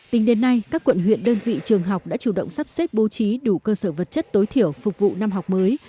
tính đến nay các quận huyện đơn vị trường học đã chủ động sắp xếp bố trí đủ cơ sở vật chất tối thiểu phục vụ năm học mới